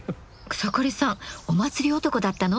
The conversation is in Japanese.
草刈さんお祭り男だったの？